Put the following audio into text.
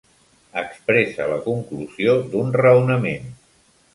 Expressa la conclusió d'un raonament.